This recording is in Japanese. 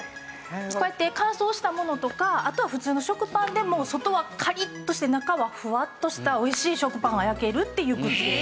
こうやって乾燥したものとかあとは普通の食パンでも外はカリッとして中はふわっとしたおいしい食パンが焼けるっていうグッズです。